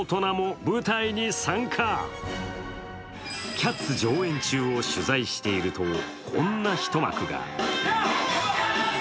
「キャッツ」上演中を取材しているとこんな一幕が。